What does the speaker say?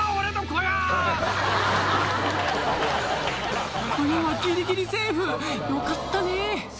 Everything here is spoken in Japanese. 小屋はギリギリセーフよかったね